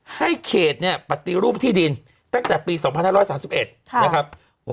ให้เขตเนี่ยปฏิรูปที่ดินตั้งแต่ปี๒๕๓๑นะครับ